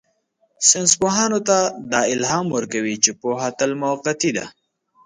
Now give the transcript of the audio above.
ساینسپوهانو ته دا الهام ورکوي چې پوهه تل موقتي ده.